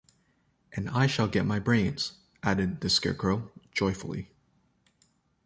"And I shall get my brains," added the Scarecrow, joyfully.